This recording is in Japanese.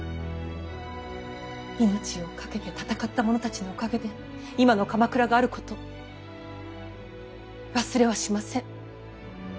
命を懸けて戦った者たちのおかげで今の鎌倉があること忘れはしません。